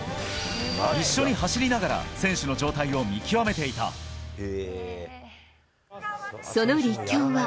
一緒に走りながら、選手の状態をその立教は。